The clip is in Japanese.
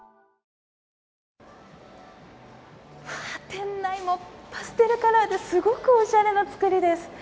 店内もパステルカラーですごくおしゃれなつくりです。